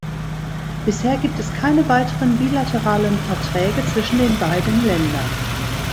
Bisher gibt es keine weiteren bilateralen Verträge zwischen den beiden Ländern.